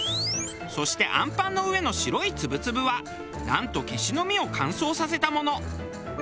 そしてあんぱんの上の白い粒々はなんとケシの実を乾燥させたもの。